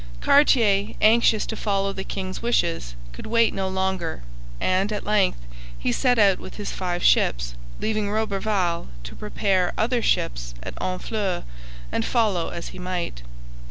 Cartier, anxious to follow the king's wishes, could wait no longer and, at length, he set out with his five ships, leaving Roberval to prepare other ships at Honfleur and follow as he might.